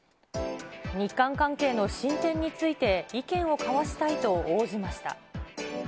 日韓関係の進展について意見を交わしたいと応じました。